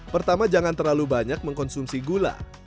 pertama jangan terlalu banyak mengkonsumsi gula